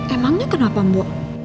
emangnya kenapa bu